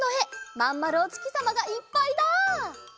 まんまるおつきさまがいっぱいだ！